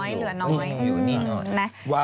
น้อยเหลือนน้อยในงุ่นนะ